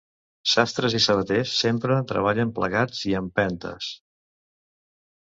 Sastres i sabaters sempre treballen plegats i a empentes.